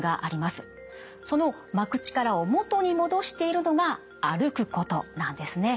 その巻く力を元に戻しているのが歩くことなんですね。